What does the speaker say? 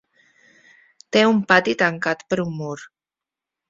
Té un pati tancat per un mur.